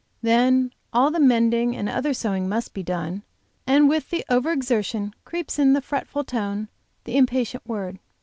Then all the mending and other sewing must be done, and with the over exertion creeps in the fretful tone, the impatient word.